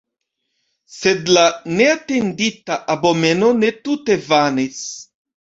Sed la neatendita abomeno ne tute vanis.